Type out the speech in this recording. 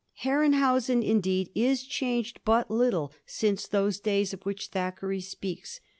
Herrenhausen indeed is changed but little since those days of which Thackeray speaks.